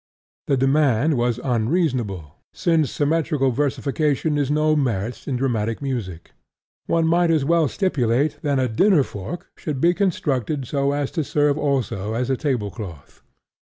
The demand was unreasonable, since symmetrical versification is no merit in dramatic music: one might as well stipulate that a dinner fork should be constructed so as to serve also as a tablecloth.